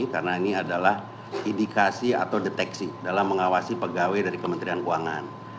karena ini adalah indikasi atau deteksi dalam mengawasi pegawai dari kementerian keuangan